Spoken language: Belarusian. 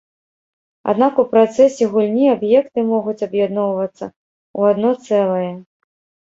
Аднак у працэсе гульні аб'екты могуць аб'ядноўвацца ў адно цэлае.